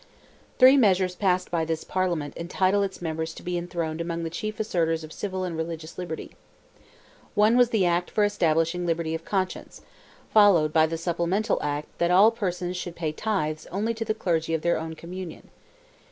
Three measures passed by this Parliament entitle its members to be enrolled among the chief assertors of civil and religious liberty. One was the "Act for establishing Liberty of Conscience," followed by the supplemental act that all persons should pay tithes only to the clergy of their own communion.